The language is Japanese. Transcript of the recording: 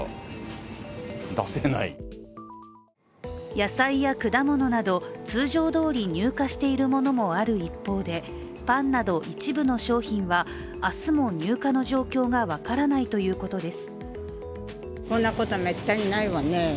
野菜や果物など、通常どおり入荷しているものもある一方でパンなど一部の商品は明日も入荷の状況が分からないということです